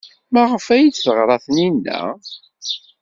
Maɣef ay d-teɣra Taninna?